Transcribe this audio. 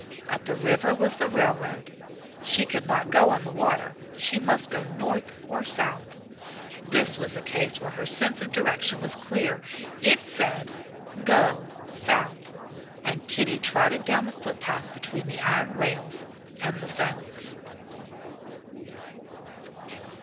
At the river was the railroad. She could not go on the water; she must go north or south. This was a case where her sense of direction was clear; it said, "Go south," and Kitty trotted down the foot path between the iron rails and the fence.